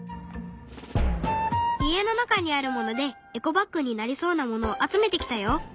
家の中にあるものでエコバッグになりそうなものを集めてきたよ。